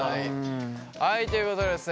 はいということでですね